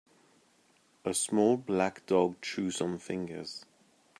A small black dog chews on fingers.